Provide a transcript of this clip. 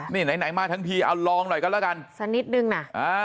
นี่ไหนมาทั้งทีเอาลองหน่อยกันแล้วกันสักนิดนึงนะ